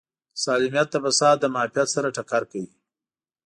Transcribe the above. سالمیت د فساد له معافیت سره ټکر کوي.